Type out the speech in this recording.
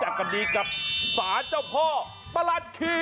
ไหนล่ะ